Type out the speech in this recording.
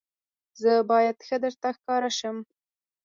زه باید ښه درته ښکاره شم.